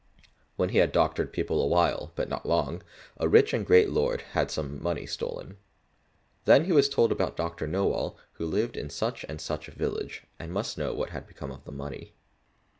When he had doctored people awhile, but not long, a rich and great lord had some money stolen. Then he was told about Doctor Knowall who lived in such and such a village, and must know what had become of the money.